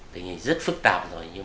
tình hình rất phức tạp rồi